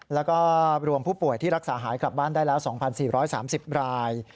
แล้วก็รวมผู้ป่วยที่รักษาหายกลับบ้านได้แล้ว๒๔๓๐ราย